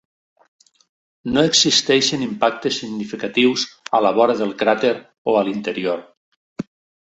No existeixen impactes significatius a la vora del cràter o a l'interior.